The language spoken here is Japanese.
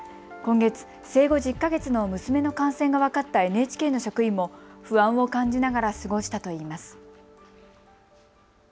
今月、生後１０か月の娘の感染が分かったＮＨＫの職員も不安を感じながら過ごしたと言います。